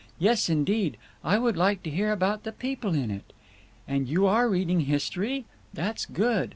Yes indeed I would like to hear about the people in it. And you are reading history? That's good.